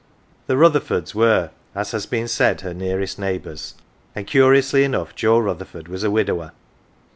The Rutherfords were, as has been said, her nearest neighbours, and curiously enough Joe Rutherford was a widower.